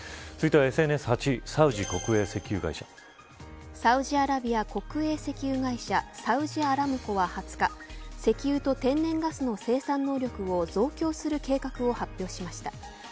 続いてはＳＮＳ８位サウジ国営石油会社サウジアラビア国営石油会社サウジアラムコは２０日石油と天然ガスの生産能力を増強する計画を発表しました。